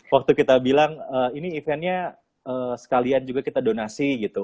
waktu kita bilang ini eventnya sekalian juga kita donasi gitu